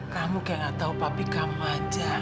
kamu kayak gak tau pabrik kamu aja